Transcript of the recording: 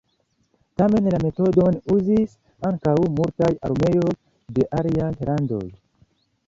Tamen la metodon uzis ankaŭ multaj armeoj de aliaj landoj.